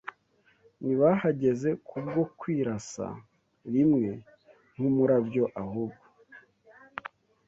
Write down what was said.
Ntibahageze kubwo kwirasa rimwe nk’umurabyo Ahubwo